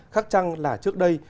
khắc trăng là trước đây